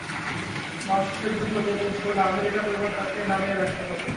মাংস সেদ্ধ হলে এবং ঝোল আধা লিটার পরিমাণ থাকতেই নামিয়ে রাখতে হবে।